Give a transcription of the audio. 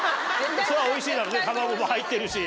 そりゃおいしいだろうね卵も入ってるし。